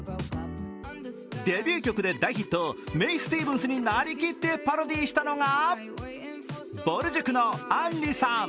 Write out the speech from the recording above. デビュー曲で大ヒット、メイ・スティーブンスになりきってパロディしたのがぼる塾のあんりさん。